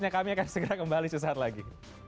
ini kan masih draft yang masih dipakai